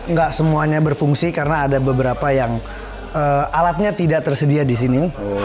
nggak semuanya berfungsi karena ada beberapa yang alatnya tidak tersedia di sini